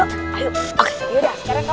yaudah sekarang kamu buktiin ya